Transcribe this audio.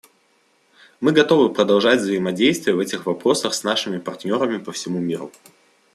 Мы готовы продолжать взаимодействие в этих вопросах с нашими партнерами по всему миру.